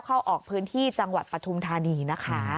เข้าออกพื้นที่จังหวัดปฐุมธานีนะคะ